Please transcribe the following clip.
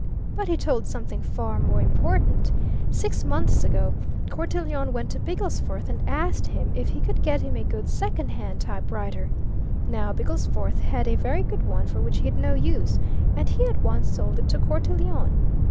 But he told something far more important: Six months ago Cortelyon went to Bigglesforth and asked him if he could get him a good second hand typewriter. Now, Bigglesforth had a very good one for which he'd no use, and he at once sold it to Cortelyon.